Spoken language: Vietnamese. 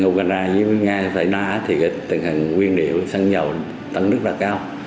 ở nga và tại nga thì tình hình quyên liệu sân dầu tăng rất là cao